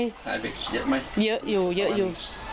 หายไปเยอะไหมเยอะอยู่เยอะอยู่